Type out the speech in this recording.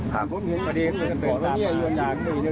ผมเห็นพอเดี๋ยวเขาเตินตามมา